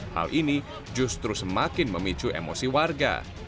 hal ini justru semakin memicu emosi warga